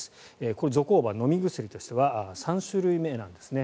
これ、ゾコーバ飲み薬としては３種類目なんですね。